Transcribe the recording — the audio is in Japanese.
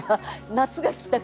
夏が来たから？